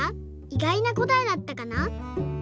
いがいなこたえだったかな？